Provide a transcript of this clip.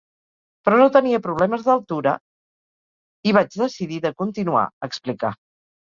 Però no tenia problemes d’l’altura i vaig decidir de continuar, explica.